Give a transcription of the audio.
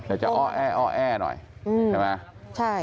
แต่จะอ้อแอ้อแอหน่อยใช่ไหม